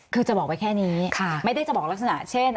คือจะบอกไว้แค่นี้ไม่ได้จะบอกลักษณะเช่น